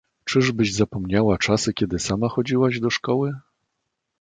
Czyżbyś zapomniała czasy kiedy sama chodziłaś do szkoły?